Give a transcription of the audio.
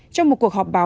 trong một cuộc họp báo